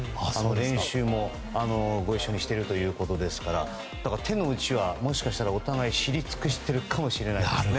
練習も一緒にしているということですから手の内はもしかしたらお互い、知り尽くしているかもしれないですね。